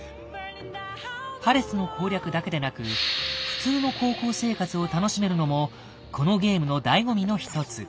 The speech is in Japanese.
パレスの攻略だけでなく普通の高校生活を楽しめるのもこのゲームのだいご味の一つ。